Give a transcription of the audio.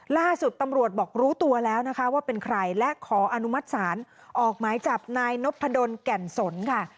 ล่าสุดตำรวจบอกรู้ตัวแล้วนะคะว่าเป็นใครและขออนุมัติศาลออกหมายจับนายนพดลแก่นสนค่ะ